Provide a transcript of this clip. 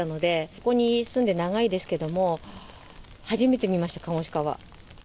ここに住んで長いですけども、初めて見ました、カモシカは。